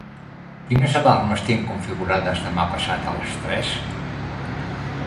Quines alarmes tinc configurades demà passat a les tres?